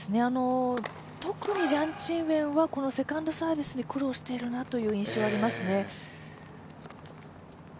特にジャン・チンウェンはこのセカンドサービスに苦労しているなという印象がありますね。